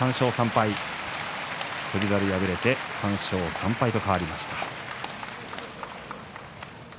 翔猿、敗れて３勝３敗と変わりました。